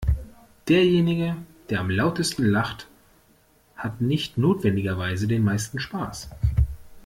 Derjenige, der am lautesten lacht, hat nicht notwendigerweise den meisten Spaß.